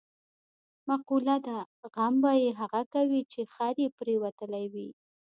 مقوله ده: غم به یې هغه کوي، چې خر یې پرېوتلی وي.